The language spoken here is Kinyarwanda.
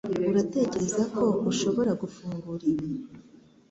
Uratekereza ko ushobora gufungura ibi?